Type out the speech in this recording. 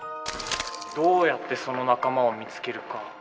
どうやってその仲間を見つけるか。